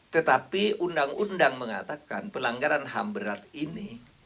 tetapi undang undang mengatakan pelanggaran ham berat ini